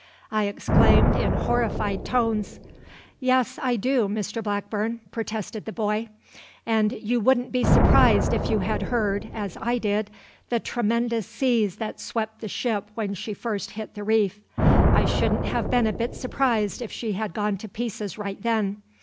I exclaimed, in horrified tones. "Yes, I do, Mr Blackburn," protested the boy; "and you wouldn't be surprised if you had heard as I did the tremendous seas that swept the ship when she first hit the reef. I shouldn't have been a bit surprised if she had gone to pieces right then.